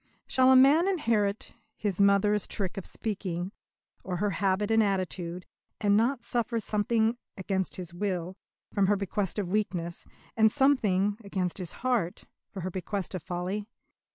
Shall a man inherit his mother's trick of speaking, or her habit and attitude, and not suffer something, against his will, from her bequest of weakness, and something, against his heart, from her bequest of folly?